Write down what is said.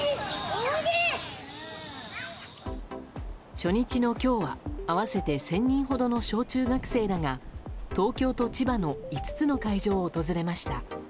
初日の今日は合わせて１０００人ほどの小中学生らが東京と千葉の５つの会場を訪れました。